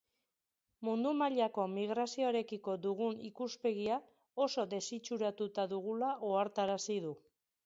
Mundu mailako migrazioarekiko dugun ikuspegia oso desitxuratuta dugula ohartarazi du.